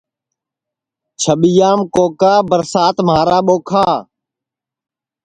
چھٻِیام کوکا برسات مھارا ٻوکھا